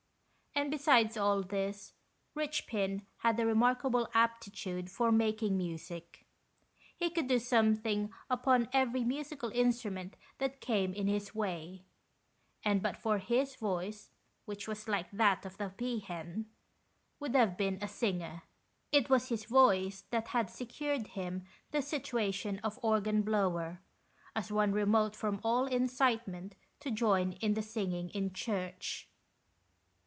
And besides all this, Eichpin had a remarkable aptitude for making music. He could do something upon every musical instrument that came in his way, and, but for his voice, which was like that of the pea hen, would have been a singer. It was his voice that had secured him the situation of organ blower, as one remote from all incitement to join in the singing in church.